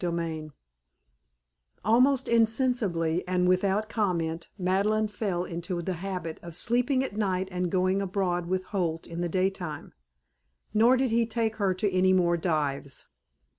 XXXIX Almost insensibly and without comment Madeleine fell into the habit of sleeping at night and going abroad with Holt in the daytime. Nor did he take her to any more dives.